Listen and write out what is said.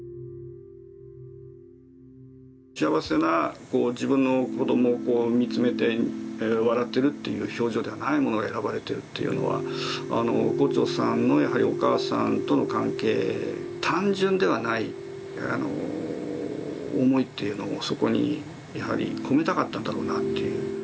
幸せな自分の子どもをこう見つめて笑ってるという表情ではないものを選ばれてるというのは牛腸さんのやはりお母さんとの関係単純ではない思いというのをそこにやはり込めたかったんだろうなという。